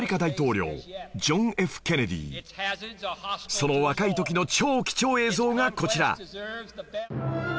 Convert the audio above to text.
その若い時の超貴重映像がこちら